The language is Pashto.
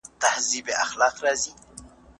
دغه جومات زموږ د کور په نږدې سیمه کې دی.